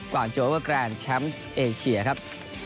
โจเวอร์แกรนด์แชมป์เอเชียครับ